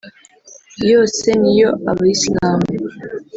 yose n'iyo aba isilamu